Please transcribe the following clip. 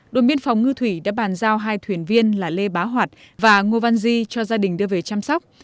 đồn biên phòng ngư thủy đã bàn giao hai thuyền viên là lê bá hoạt và ngô văn di cho gia đình đưa về chăm sóc